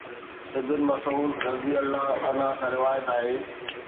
ابن مسعود (رضي الله عنه) کان روايت آهي.